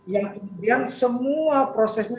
yang kemudian semua prosesnya